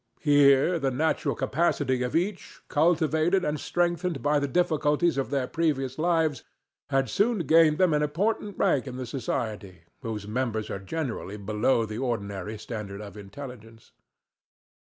Here the natural capacity of each, cultivated and strengthened by the difficulties of their previous lives, had soon gained them an important rank in the society, whose members are generally below the ordinary standard of intelligence.